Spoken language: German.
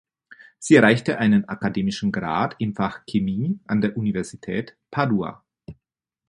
Sie erreichte einen akademischen Grad im Fach Chemie an der Universität Padua.